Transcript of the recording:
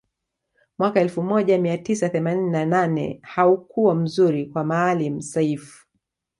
Mwaka elfu moja mia tisa themanini na nane haukuwa mzuri kwa Maalim Seif